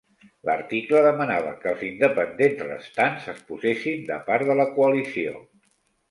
L'article demanava que els independents restants es posessin de part de la coalició.